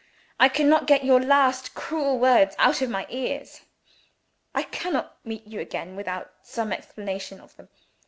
I cannot get your last cruel words out of my ears. I cannot meet you again without some explanation of them.